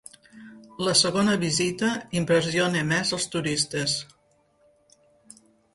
La segona visita impressiona més els turistes.